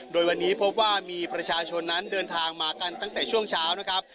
โดยวันนี้พบว่ามีประชาชนนั้นเดินทางมากันตั้งแต่ช่วงเช้านะครับ